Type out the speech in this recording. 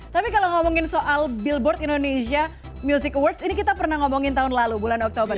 tapi kalau ngomongin soal billboard indonesia music awards ini kita pernah ngomongin tahun lalu bulan oktober